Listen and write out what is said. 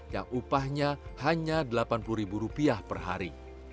yang upahnya hanya delapan puluh ribu rupiah per hari